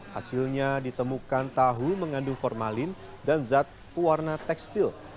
hasilnya ditemukan tahu mengandung formalin dan zat pewarna tekstil